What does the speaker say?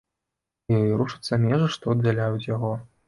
І рушацца межы, што аддзяляюць яго.